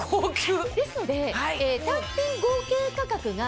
ですので。